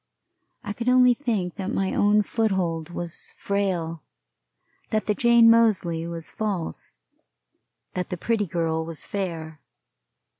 I could only think that my own foothold was frail, that the Jane Moseley was false, that the Pretty Girl was fair.